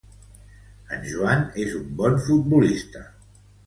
En Joan és un bon futbolista.